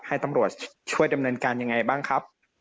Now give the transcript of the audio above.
ให้ตำรวจช่วยดำเนินการยังไงบ้างครับ